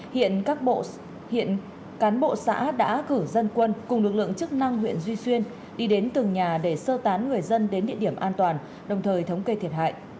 hiện các bộ hiện cán bộ xã đã cử dân quân cùng lực lượng chức năng huyện duy xuyên đi đến từng nhà để sơ tán người dân đến địa điểm an toàn đồng thời thống kê thiệt hại